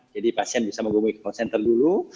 pasien bisa menghubungi call center dulu